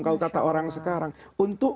kalau kata orang sekarang untuk